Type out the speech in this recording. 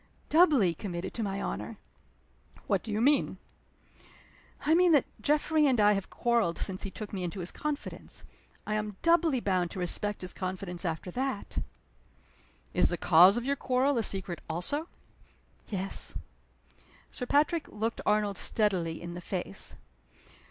"Doubly committed to my honor." "What do you mean?" "I mean that Geoffrey and I have quarreled since he took me into his confidence. I am doubly bound to respect his confidence after that." "Is the cause of your quarrel a secret also?" "Yes." Sir Patrick looked Arnold steadily in the face.